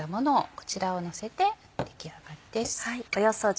こちらをのせて出来上がりです。